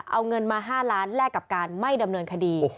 เอาเงินมา๕ล้านแลกกับการไม่ดำเนินคดี